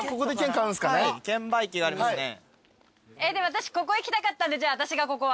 私ここ行きたかったんでじゃあ私がここは。